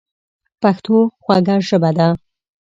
پښتو خوږه ژبه ده.